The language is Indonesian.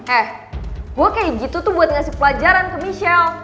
eh gue kayak gitu tuh buat ngasih pelajaran ke michelle